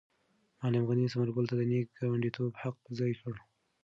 معلم غني ثمر ګل ته د نېک ګاونډیتوب حق په ځای کړ.